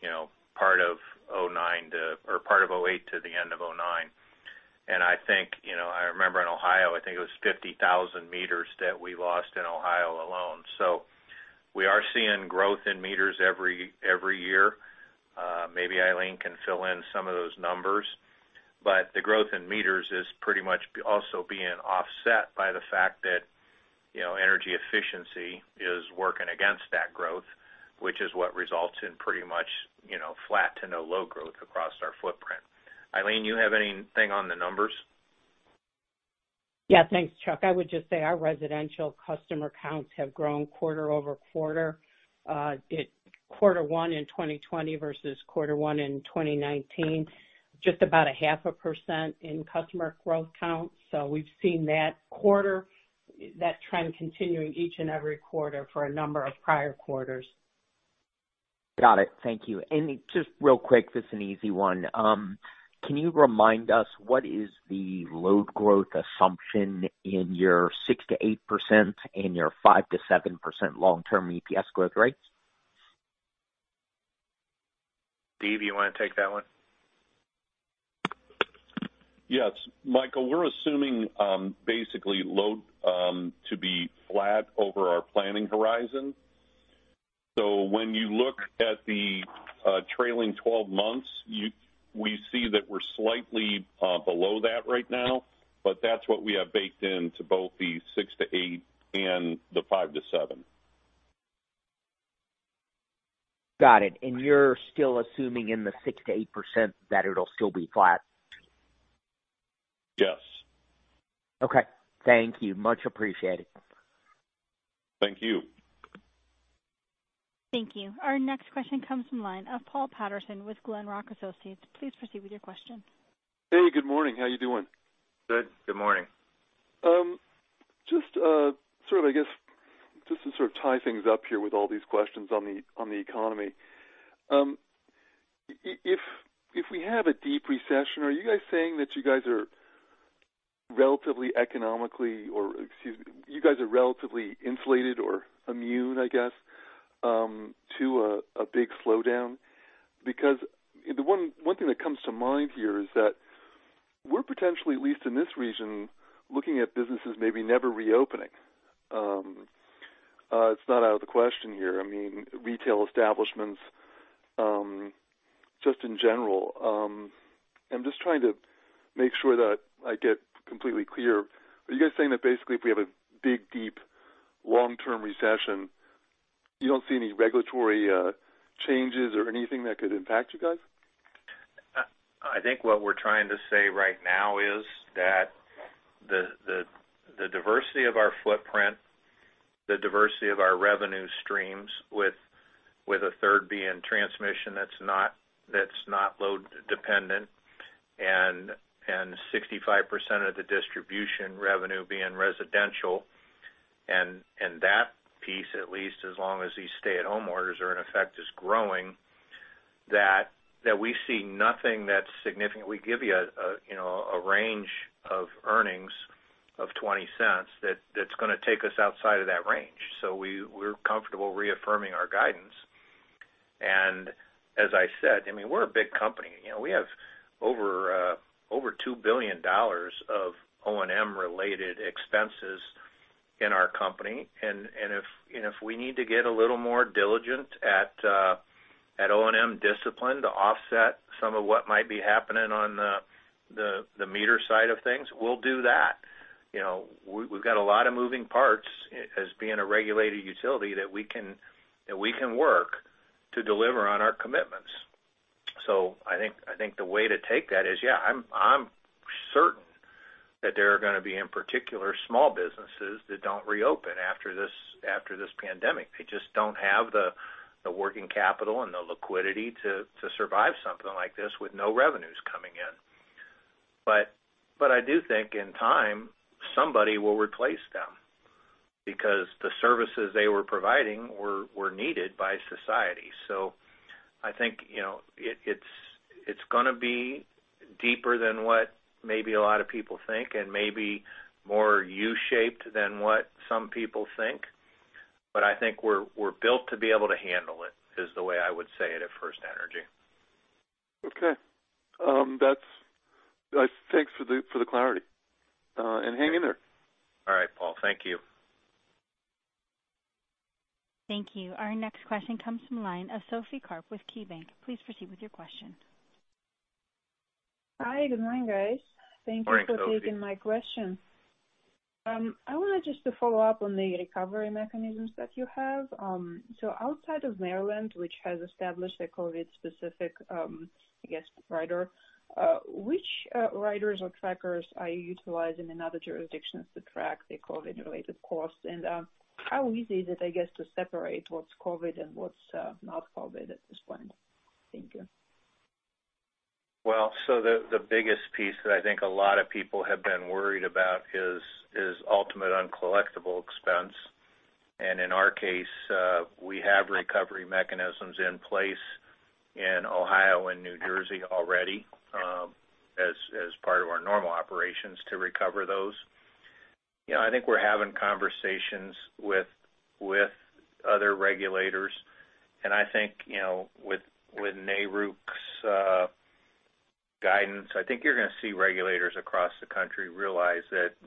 you know, part of 2008 to the end of 2009. I think, you know, I remember in Ohio, I think it was 50,000 m that we lost in Ohio alone. We are seeing growth in meters every year. Maybe Eileen can fill in some of those numbers, but the growth in meters is pretty much also being offset by the fact that, you know, energy efficiency is working against that growth, which is what results in pretty much flat to no low growth across our footprint. Eileen, you have anything on the numbers? Yeah, thanks, Chuck. I would just say our residential customer counts have grown quarter-over-quarter. Quarter one in 2020 versus quarter one in 2019, just about a half a percent in customer growth count. We've seen that trend continuing each and every quarter for a number of prior quarters. Got it. Thank you. Just real quick, just an easy one. Can you remind us what is the load growth assumption in your 6%-8% and your 5%-7% long-term EPS growth rates? Steve, you want to take that one? Yes. Michael, we're assuming basically load to be flat over our planning horizon. When you look at the trailing 12 months, we see that we're slightly below that right now, but that's what we have baked into both the 6%-8% and the 5%-7%. Got it. You're still assuming in the 6%-8% that it'll still be flat? Yes. Okay. Thank you. Much appreciated. Thank you. Thank you. Our next question comes from the line of Paul Patterson with Glenrock Associates. Please proceed with your question. Hey, good morning. How are you doing? Good morning. Just to sort of tie things up here with all these questions on the economy. If we have a deep recession, are you guys saying that you guys are relatively economically or, excuse me, you guys are relatively insulated or immune, I guess, to a big slowdown? The one thing that comes to mind here is that we're potentially, at least in this region, looking at businesses maybe never reopening—it's not out of the question here. I mean, retail establishment, just in general. I'm just trying to make sure that I get completely clear. Are you guys saying that basically if we have a big, deep, long-term recession, you don't see any regulatory changes or anything that could impact you guys? I think what we're trying to say right now is that the diversity of our footprint, the diversity of our revenue streams with a third being transmission that's not load dependent, and 65% of the distribution revenue being residential, and that piece, at least as long as these stay-at-home orders are in effect, is growing, that we see nothing that's significant. We give you, you know, a range of earnings of $0.20 that's going to take us outside of that range. We're comfortable reaffirming our guidance. As I said, we're a big company. We have over $2 billion of O&M-related expenses in our company. If we need to get a little more diligent at O&M discipline to offset some of what might be happening on the meter side of things, we'll do that. We've got a lot of moving parts as being a regulated utility that we can work to deliver on our commitments. I think the way to take that is, yeah, I'm certain that there are going to be, in particular, small businesses that don't reopen after this pandemic. They just don't have the working capital and the liquidity to survive something like this with no revenues coming in. But I do think in time, somebody will replace them because the services they were providing were needed by society. I think it's going to be deeper than what maybe a lot of people think and maybe more U-shaped than what some people think. I think we're built to be able to handle it, is the way I would say it at FirstEnergy. Okay. Thanks for the clarity. Hang in there. All right, Paul. Thank you. Thank you. Our next question comes from the line of Sophie Karp with KeyBanc. Please proceed with your question. Hi. Good morning, guys. Morning, Sophie. Thank you for taking my question. I wanted just to follow up on the recovery mechanisms that you have. Outside of Maryland, which has established a COVID-specific, I guess, rider, which riders or trackers are you utilizing in other jurisdictions to track the COVID-related costs? How easy is it, I guess, to separate what's COVID and what's not COVID at this point? Thank you. The biggest piece that I think a lot of people have been worried about is ultimate uncollectible expense. In our case, we have recovery mechanisms in place in Ohio and New Jersey already as part of our normal operations to recover those. I think we're having conversations with other regulators, and I think, you know, with NARUC's guidance, I think you're going to see regulators across the country realize that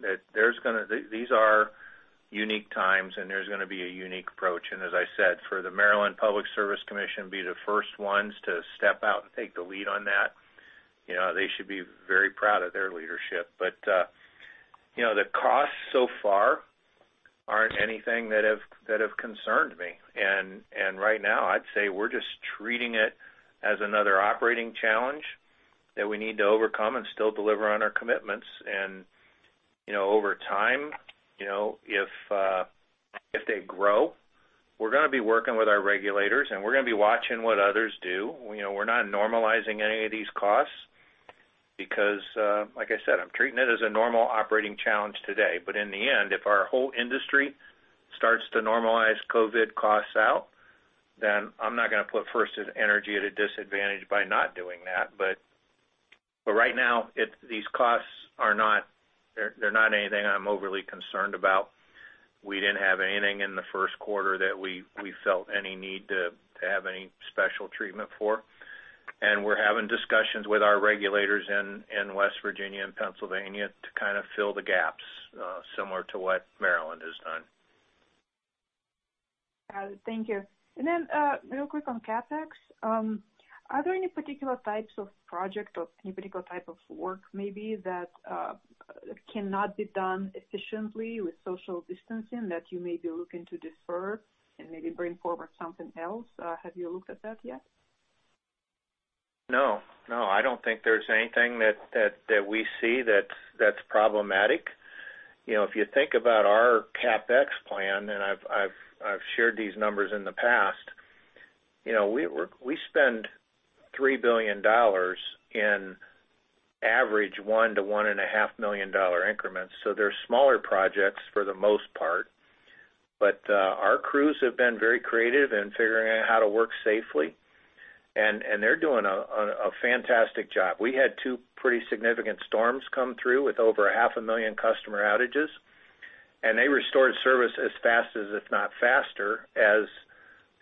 these are unique times, and there's going to be a unique approach. As I said, for the Maryland Public Service Commission to be the first ones to step out and take the lead on that, they should be very proud of their leadership. The costs so far aren't anything that have concerned me. Right now, I'd say we're just treating it as another operating challenge that we need to overcome and still deliver on our commitments. Over time, you know, if they grow, we're going to be working with our regulators, and we're going to be watching what others do. We're not normalizing any of these costs because, like I said, I'm treating it as a normal operating challenge today. In the end, if our whole industry starts to normalize COVID costs out, then I'm not going to put FirstEnergy at a disadvantage by not doing that. Right now, these costs, they're not anything I'm overly concerned about. We didn't have anything in the first quarter that we felt any need to have any special treatment for. We're having discussions with our regulators in West Virginia and Pennsylvania to kind of fill the gaps, similar to what Maryland has done. Got it. Thank you. Real quick on CapEx. Are there any particular types of projects or any particular type of work maybe that cannot be done efficiently with social distancing that you may be looking to defer and maybe bring forward something else? Have you looked at that yet? No. I don't think there's anything that we see that's problematic. You know, if you think about our CapEx plan, and I've shared these numbers in the past, you know, we spend $3 billion in average $1 million-$1.5 million increments. They're smaller projects for the most part. Our crews have been very creative in figuring out how to work safely, and they're doing a fantastic job. We had two pretty significant storms come through with over 500,000 customer outages, and they restored service as fast as, if not faster,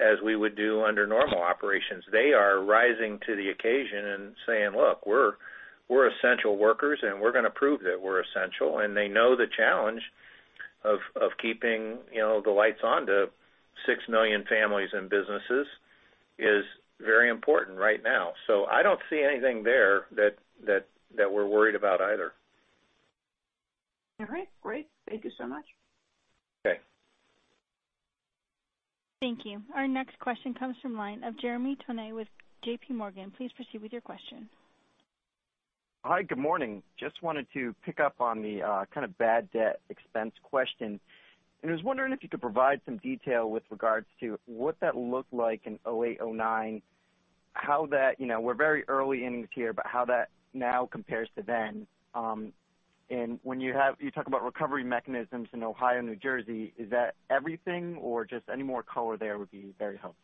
as we would do under normal operations. They are rising to the occasion and saying: Look, we're essential workers, and we're going to prove that we're essential. They know the challenge of keeping you know, the lights on to 6 million families and businesses is very important right now. I don't see anything there that we're worried about either. All right. Great. Thank you so much. Okay. Thank you. Our next question comes from the line of Jeremy Tonet with JPMorgan. Please proceed with your question. Hi. Good morning. Just wanted to pick up on the kind of bad debt expense question, and I was wondering if you could provide some detail with regards to what that looked like in 2008, 2009? We're very early in this year, but how that now compares to then. When you talk about recovery mechanisms in Ohio and New Jersey, is that everything or just any more color there would be very helpful?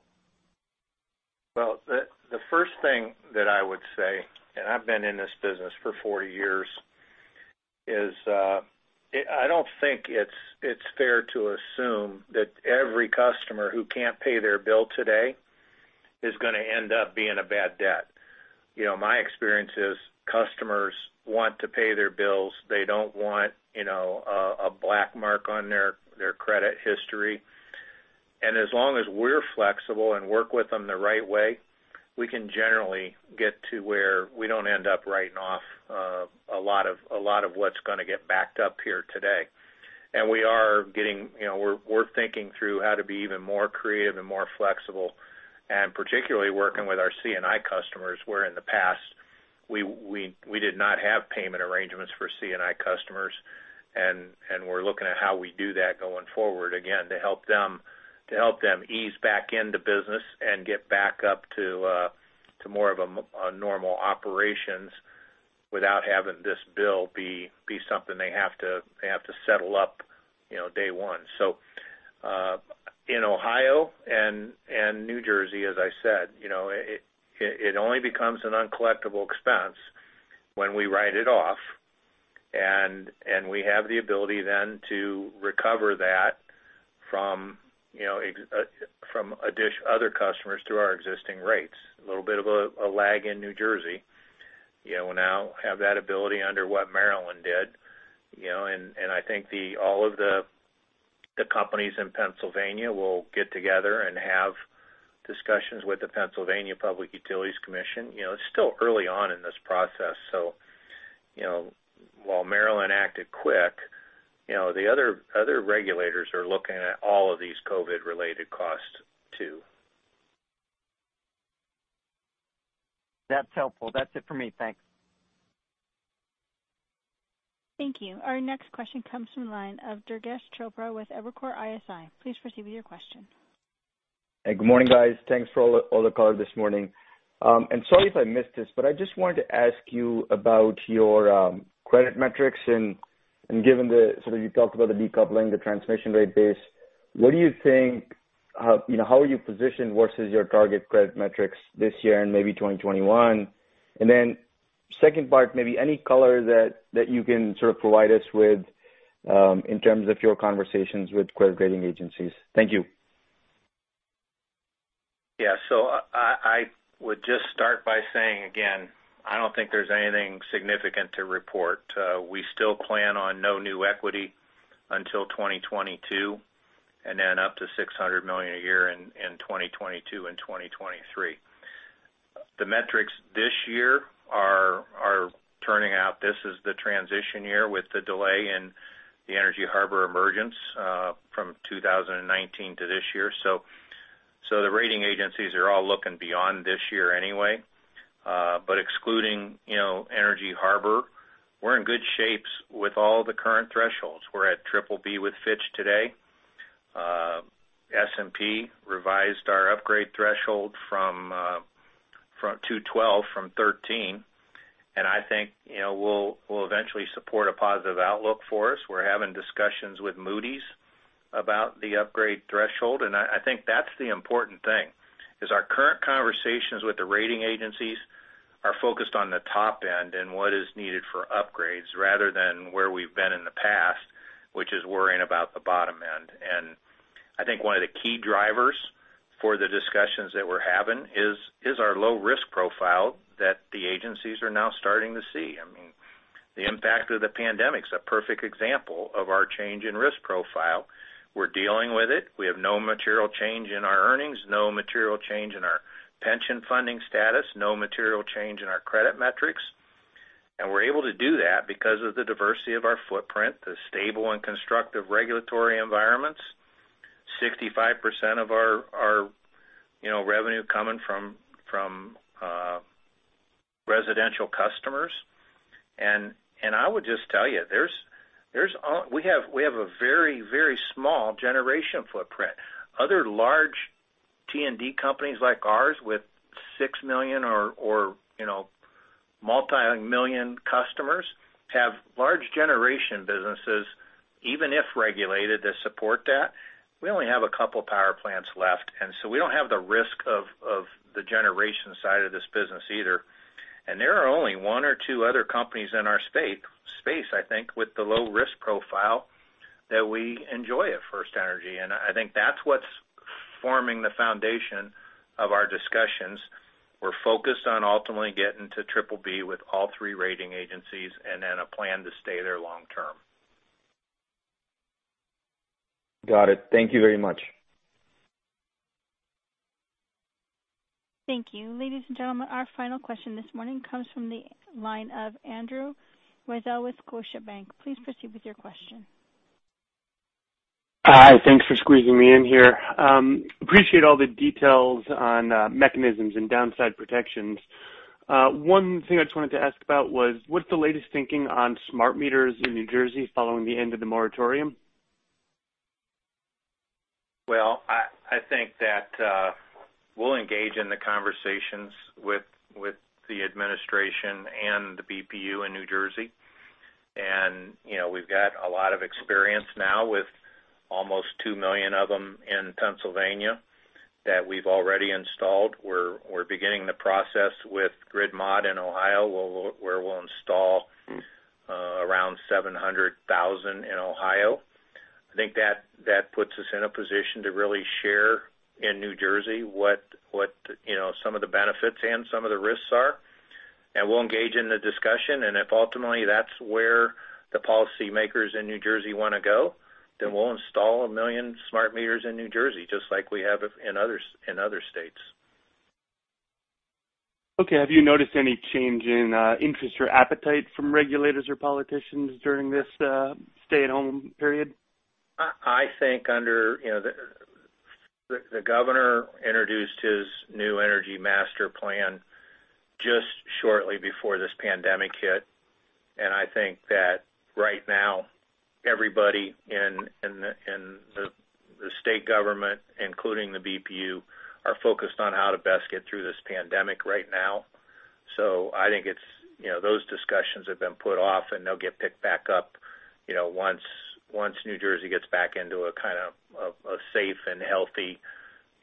Well, the first thing that I would say, and I've been in this business for 40 years, is I don't think it's fair to assume that every customer who can't pay their bill today is going to end up being a bad debt. You know, my experience is customers want to pay their bills. They don't want a black mark on their credit history. As long as we're flexible and work with them the right way, we can generally get to where we don't end up writing off a lot of what's going to get backed up here today. We're thinking through how to be even more creative and more flexible, and particularly working with our C&I customers, where in the past, we did not have payment arrangements for C&I customers, and we're looking at how we do that going forward, again, to help them ease back into business and get back up to more of a normal operations. Without having this bill be something they have to settle up day one. In Ohio and New Jersey, as I said, it only becomes an uncollectible expense when we write it off, and we have the ability then to recover that from other customers through our existing rates. A little bit of a lag in New Jersey. We now have that ability under what Maryland did. You know, I think all of the companies in Pennsylvania will get together and have discussions with the Pennsylvania Public Utility Commission. It's still early on in this process, so while Maryland acted quick, you know, the other regulators are looking at all of these COVID-related costs, too. That's helpful. That's it for me. Thanks. Thank you. Our next question comes from the line of Durgesh Chopra with Evercore ISI. Please proceed with your question. Hey, good morning, guys. Thanks for all the color this morning. Sorry if I missed this, but I just wanted to ask you about your credit metrics and given the sort of, you talked about the decoupling, the transmission rate base, how are you positioned versus your target credit metrics this year and maybe 2021? Second part, maybe any color that you can sort of provide us with in terms of your conversations with credit rating agencies? Thank you. I would just start by saying again, I don't think there's anything significant to report. We still plan on no new equity until 2022, and then up to $600 million a year in 2022 and 2023. The metrics this year are turning out. This is the transition year with the delay in the Energy Harbor emergence from 2019 to this year. The rating agencies are all looking beyond this year anyway. Excluding Energy Harbor, we're in good shapes with all the current thresholds. We're at BBB with Fitch today. S&P revised our upgrade threshold to 12 from 13. I think, you know, we'll eventually support a positive outlook for us. We're having discussions with Moody's about the upgrade threshold. I think that's the important thing is our current conversations with the rating agencies are focused on the top end and what is needed for upgrades rather than where we've been in the past, which is worrying about the bottom end. I think one of the key drivers for the discussions that we're having is our low-risk profile that the agencies are now starting to see. I mean, the impact of the pandemic is a perfect example of our change in risk profile. We're dealing with it. We have no material change in our earnings, no material change in our pension funding status, no material change in our credit metrics. We're able to do that because of the diversity of our footprint, the stable and constructive regulatory environments, 65% of our revenue coming from residential customers. I would just tell you, we have a very small generation footprint. Other large T&D companies like ours with 6 million or multimillion customers have large generation businesses, even if regulated, to support that. We only have a couple power plants left, we don't have the risk of the generation side of this business either. There are only one or two other companies in our space, I think, with the low-risk profile that we enjoy at FirstEnergy. I think that's what's forming the foundation of our discussions. We're focused on ultimately getting to BBB with all three rating agencies, a plan to stay there long term. Got it. Thank you very much. Thank you. Ladies and gentlemen, our final question this morning comes from the line of Andrew Weisel with Scotiabank. Please proceed with your question. Hi. Thanks for squeezing me in here. Appreciate all the details on mechanisms and downside protections. One thing I just wanted to ask about was, what's the latest thinking on smart meters in New Jersey following the end of the moratorium? Well, I think that we'll engage in the conversations with the administration and the BPU in New Jersey. We've got a lot of experience now with almost 2 million of them in Pennsylvania that we've already installed. We're beginning the process with Grid Mod in Ohio, where we'll install around 700,000 in Ohio. I think that puts us in a position to really share in New Jersey what, you know, some of the benefits and some of the risks are. We'll engage in the discussion, and if ultimately that's where the policymakers in New Jersey want to go, then we'll install a million smart meters in New Jersey, just like we have in other states. Okay. Have you noticed any change in interest or appetite from regulators or politicians during this stay-at-home period? I think the governor introduced his new energy master plan just shortly before this pandemic hit. And I think that right now everybody in the state government, including the BPU, are focused on how to best get through this pandemic right now. I think those discussions have been put off, and they'll get picked back up once New Jersey gets back into a kind of safe and healthy,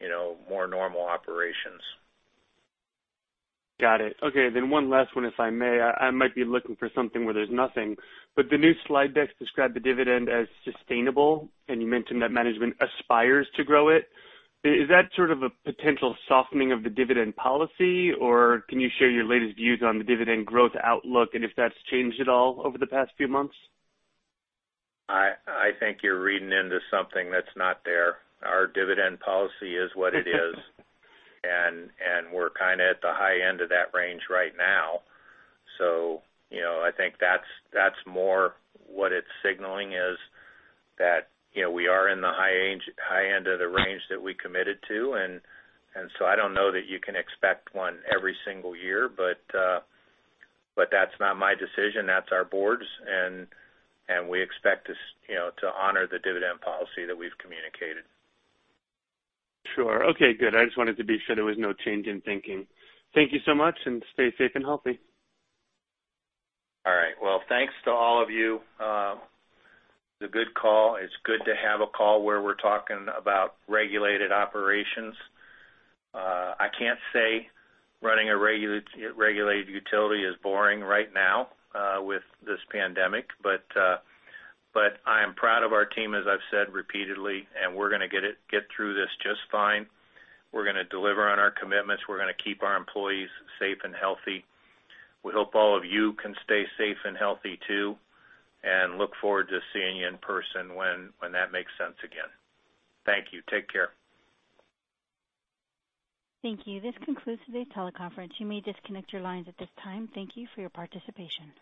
you know, more normal operations. Got it. Okay. One last one, if I may. I might be looking for something where there's nothing, but the new slide decks describe the dividend as sustainable, and you mentioned that management aspires to grow it. Is that sort of a potential softening of the dividend policy, or can you share your latest views on the dividend growth outlook and if that's changed at all over the past few months? I think you're reading into something that's not there. Our dividend policy is what it is, and we're kind of at the high end of that range right now. I think that's more what it's signaling is that, you know, we are in the high end of the range that we committed to. I don't know that you can expect one every single year, but that's not my decision. That's our board's, and we expect, you know, to honor the dividend policy that we've communicated. Sure. Okay, good. I just wanted to be sure there was no change in thinking. Thank you so much, and stay safe and healthy. All right. Well, thanks to all of you. It's a good call. It's good to have a call where we're talking about regulated operations. I can't say running a regulated utility is boring right now with this pandemic, but I am proud of our team, as I've said repeatedly, and we're going to get through this just fine. We're going to deliver on our commitments. We're going to keep our employees safe and healthy. We hope all of you can stay safe and healthy too, and look forward to seeing you in person when that makes sense again. Thank you. Take care. Thank you. This concludes today's teleconference. You may disconnect your lines at this time. Thank you for your participation.